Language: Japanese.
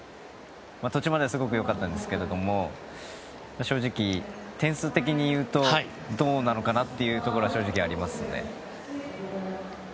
途中まではすごく良かったんですけれども正直、点数的に言うとどうなのかなというところはありますね。